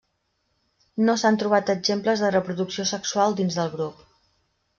No s'han trobat exemples de reproducció sexual dins del grup.